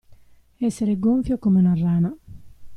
Essere gonfio come una rana.